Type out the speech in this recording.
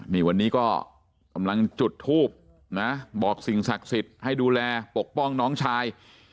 นี่วันนี้ก็กำลังจุดทูบนะบอกสิ่งศักดิ์สิทธิ์ให้ดูแลปกป้องน้องชาย